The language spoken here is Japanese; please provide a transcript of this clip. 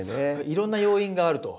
いろんな要因があると。